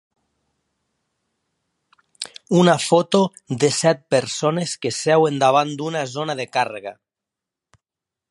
Una foto de set persones que seuen davant d'una zona de càrrega.